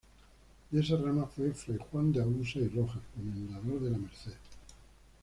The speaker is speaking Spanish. De esa rama fue fray Juan de Ausa y Rojas, Comendador de la Merced.